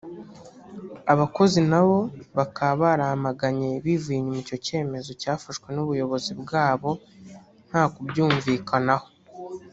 abakozi nabo bakaba baramaganye bivuye inyuma icyo cyemezo cyafashwe n’ubuyobozi bwabo nta ku byumvikanaho